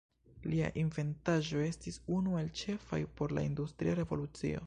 Lia inventaĵo estis unu el ĉefaj por la Industria Revolucio.